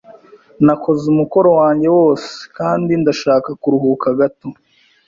Nakoze umukoro wanjye wose kandi ndashaka kuruhuka gato.